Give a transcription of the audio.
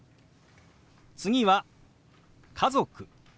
次は「家族」。